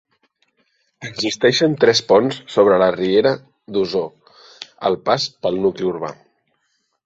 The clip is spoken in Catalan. Existeixen tres ponts sobre la riera d'Osor al pas pel nucli urbà.